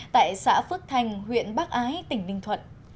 tại xã phước thành huyện bắc ái tỉnh ninh thuận